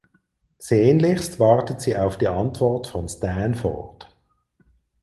Sehnlichst wartet sie auf die Antwort von Stanford.